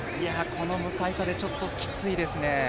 この向かい風、ちょっときついですね。